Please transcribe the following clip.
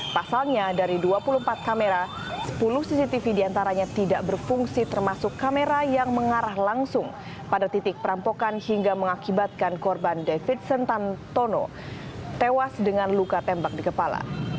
pasalnya dari dua puluh empat kamera sepuluh cctv diantaranya tidak berfungsi termasuk kamera yang mengarah langsung pada titik perampokan hingga mengakibatkan korban davidson tantono tewas dengan luka tembak di kepala